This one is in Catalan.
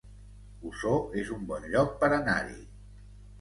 Osor es un bon lloc per anar-hi